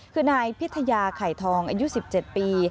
คือนายพิทยาไข่ทองอายุ๑๗ปี